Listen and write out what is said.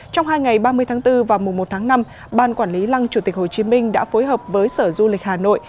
trong hai ngày ba mươi tháng bốn và mùa một tháng năm ban quản lý lăng chủ tịch hồ chí minh đã phối hợp với sở du lịch hà nội